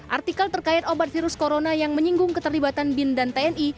artikel terkait obat virus corona yang menyinggung keterlibatan bin dan tni